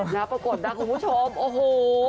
แล้วปรากฏนะคุณผู้ชมโอ้โห